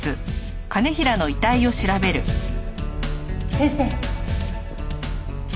先生。